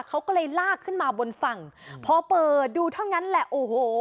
เขาก็เลยลากขึ้นมาบนฝั่งพอเปิดดูเท่านั้นแหละโอ้โห